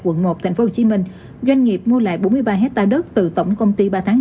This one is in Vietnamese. quận một tp hcm doanh nghiệp mua lại bốn mươi ba hectare đất từ tổng công ty ba tháng chín